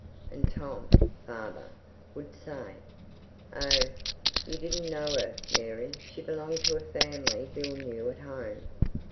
And Tom father would say: "Oh, you didn't know her, Mary; she belonged to a family Bill knew at home."